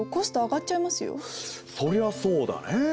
そりゃそうだね。